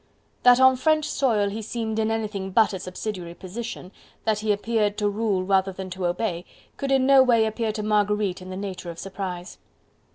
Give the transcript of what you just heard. That on French soil he seemed in anything but a subsidiary position, that he appeared to rule rather than to obey, could in no way appear to Marguerite in the nature of surprise.